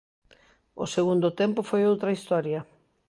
O segundo tempo foi outra historia.